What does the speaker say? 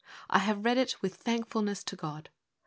I have read it with thankfulness to God.